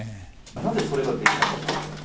なぜそれができなかったんですか？